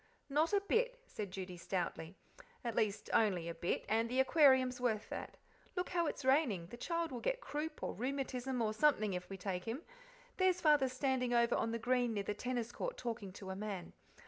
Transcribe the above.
"Not a bit," said Judy, stoutly "at least, only a bit, and the Aquarium's worth that. Look how it's raining; the child will get croup, or rheumatism, or something if we take him; there's Father standing over on the green near the tennis court talking to a man.